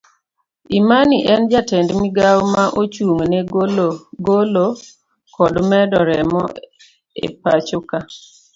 Imani en jatend migawo ma ochung ne golo kod medo remo epachoka.